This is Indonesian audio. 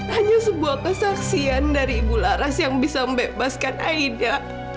hanya sebuah kesaksian dari ibu laras yang bisa membebaskan aida